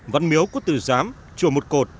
văn miếu quốc tử giám chùa một cột